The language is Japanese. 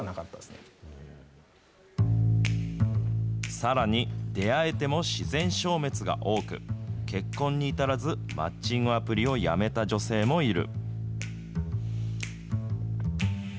さらに、出会えても自然消滅が多く、結婚に至らず、マッチングアプリをやめた女性もいる。